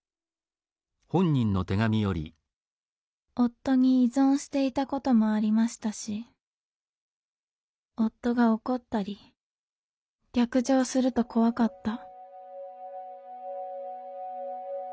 「夫に依存していたこともありましたし夫が怒ったり逆上すると恐かった」。